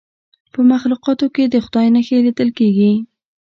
په مخلوقاتو کې د خدای نښې لیدل کیږي.